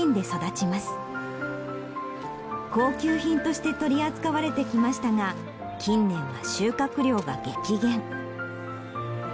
高級品として取り扱われてきましたが近年は収穫量が激減。